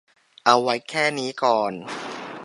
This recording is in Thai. เอาไว้แค่นี้ก่อน